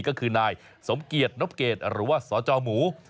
ก็คือนายสมเกียจนบเกตหรือว่าสจหมู